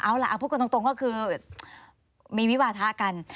เอาล่ะเอาพูดกันตรงก็คือมีวิวาทะกัน